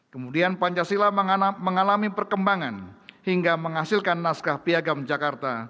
kemudian pancasila mengalami perkembangan hingga menghasilkan naskah piagam jakarta